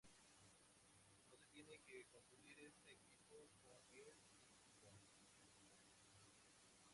No se tiene que confundir este equipo con el Liquigas.